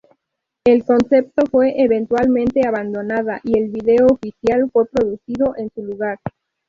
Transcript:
El concepto fue eventualmente abandonada y el vídeo oficial fue producido en su lugar.